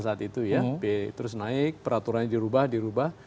saat itu ya terus naik peraturannya dirubah dirubah